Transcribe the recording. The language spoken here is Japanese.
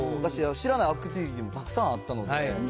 知らないアクティビティーもたくさんあったので。